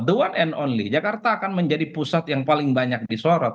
the one and only jakarta akan menjadi pusat yang paling banyak disorot